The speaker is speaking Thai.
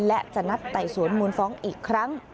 และจะนัดไต่สวนมูลฟ้องอีกครั้ง